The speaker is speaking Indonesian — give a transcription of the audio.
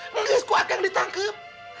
menggelis ku akang ditangkep